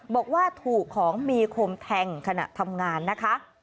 บอกว่าถูกของมีคมแทงขณะทำงานนะคะ